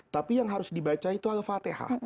tapi yang harus dibaca itu al fatihah